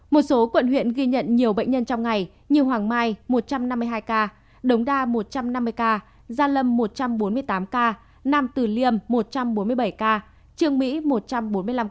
một số quận huyện ghi nhận nhiều bệnh nhân trong ngày như hoàng mai một trăm năm mươi hai ca đống đa một trăm năm mươi ca gia lâm một trăm bốn mươi tám ca nam tử liêm một trăm bốn mươi bảy ca trương mỹ một trăm bốn mươi năm ca